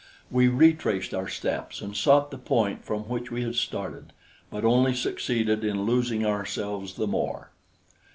We retraced our steps and sought the point from which we had started, but only succeeded in losing ourselves the more.